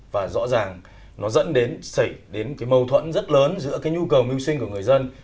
và rõ ràng nó dẫn đến xảy đến cái mâu thuẫn rất lớn giữa cái nhu cầu mưu sinh của người dân